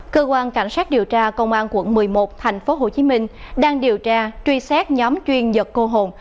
cơ quan cảnh sát điều tra công an quận một mươi một tp hcm đang điều tra truy xét nhóm chuyên giật cô hồn